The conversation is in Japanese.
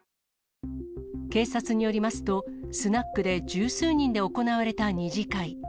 警察によりますと、スナックで十数人で行われた２次会。